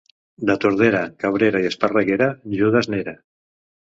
De Tordera, Cabrera i Esparreguera, Judes n'era.